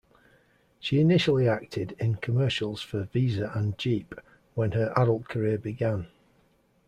She initially acted in commercials for Visa and Jeep when her adult career began.